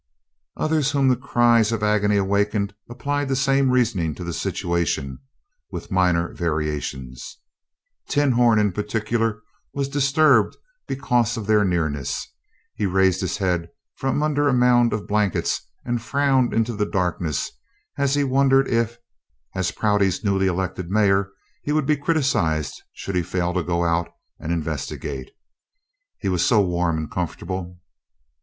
Others whom the cries of agony awakened applied the same reasoning to the situation, with minor variations. "Tinhorn" in particular was disturbed because of their nearness. He raised his head from under a mound of blankets and frowned into the darkness as he wondered if, as Prouty's newly elected mayor, he would be criticized should he fail to go out and investigate. He was so warm and comfortable!